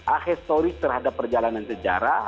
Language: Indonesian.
akhir story terhadap perjalanan sejarah